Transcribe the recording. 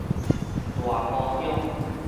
大埔鄉